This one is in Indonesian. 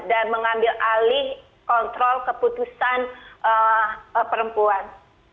dan mengambil alih kontrol keputusan perempuan